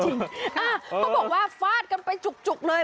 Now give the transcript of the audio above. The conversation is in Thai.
เขาบอกว่าฟาดกันไปจุกเลย